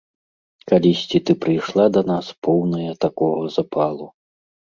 Калісьці ты прыйшла да нас, поўная такога запалу.